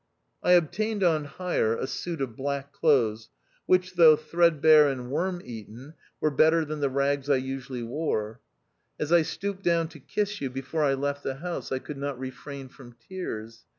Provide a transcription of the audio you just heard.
I obtained on hire a suit of black clothes, which, though threadbare and worm eaten, were better than the rags I usually wore. As I stooped down to kiss you before I left the house, I could not refrain from tears.